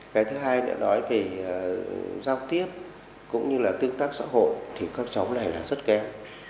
cái thứ hai nữa nói về giao tiếp cũng như là tương tác xã hội thì các cháu này là rất kém